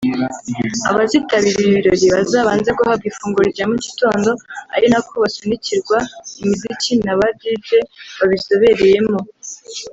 Abazitabira ibi birori bazabanze guhabwa ifunguro rya mu gitondo ari nako basunikirwa imiziki n’aba Dj babizobereyemo